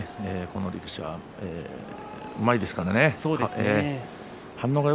この力士はうまいですね、相撲が。